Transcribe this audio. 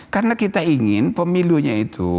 karena kita ingin pemilunya itu